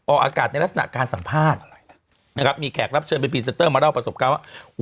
ออกอากาศในลักษณะการสัมภาษณ์นะครับมีแขกรับเชิญเป็นพรีเซนเตอร์มาเล่าประสบการณ์ว่า